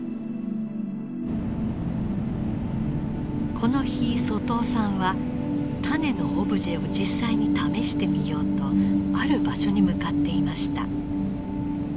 この日外尾さんは種のオブジェを実際に試してみようとある場所に向かっていました。